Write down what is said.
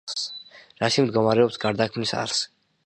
რაში მდგომარეობს გარდაქმნის არსი?